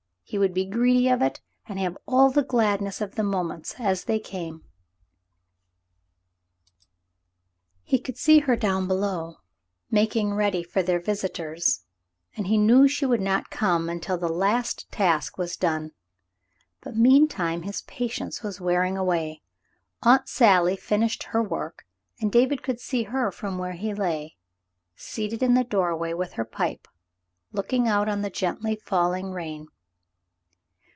He would be greedy of it and have all the gladness of the moments as they came. Cassandra's Confession 18S He could see her down below making ready for their visitors, and he knew she would not come until the last task was done, but meantime his patience was wearing away. Aunt Sally finished her work, and David could see her from where he lay, seated in the doorway with her pipe, looking out on the gently falling rain.